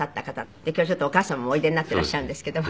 で今日お母様もおいでになっていらっしゃるんですけども。